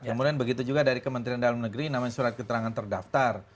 kemudian begitu juga dari kementerian dalam negeri namanya surat keterangan terdaftar